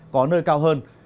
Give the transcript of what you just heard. có nơi cao hơn